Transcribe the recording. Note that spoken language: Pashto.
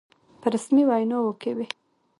په رسمي ویناوو کې وي.